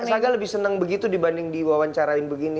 saga lebih senang begitu dibanding di wawancara yang begini